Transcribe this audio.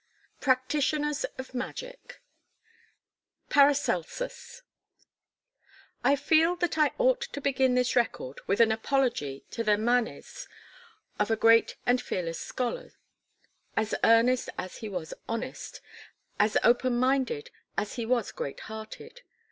PRACTITIONERS OF MAGIC PARACELSUS I feel that I ought to begin this record with an apology to the manes of a great and fearless scholar, as earnest as he was honest, as open minded as he was great hearted.